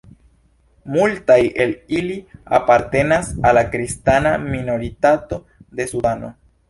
Multaj el ili apartenas al la kristana minoritato de Sudano.